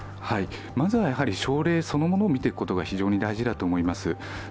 まずは症例そのものを見ていくのが非常に大事だと思います。